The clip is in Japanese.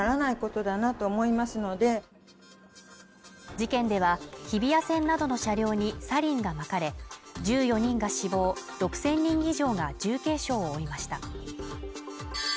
事件では、日比谷線などの車両にサリンがまかれ、１４人が死亡６０００人以上が重軽傷を負いました。